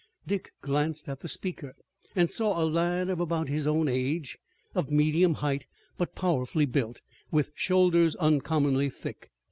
Dick glanced at the speaker, and saw a lad of about his own age, of medium height, but powerfully built, with shoulders uncommonly thick.